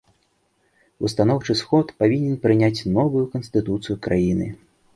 Устаноўчы сход павінен прыняць новую канстытуцыю краіны.